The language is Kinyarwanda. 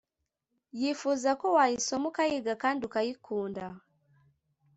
yifuza ko wayisoma ukayiga kandi ukayikunda